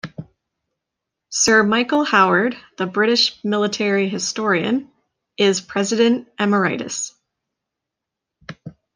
Sir Michael Howard, the British military historian, is President Emeritus.